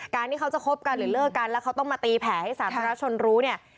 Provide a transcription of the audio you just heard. ที่เขาจะคบกันหรือเลิกกันแล้วเขาต้องมาตีแผลให้สาธารณชนรู้เนี่ย